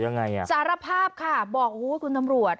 ยังไงอ่ะสารภาพค่ะบอกโอ้โหคุณตำรวจ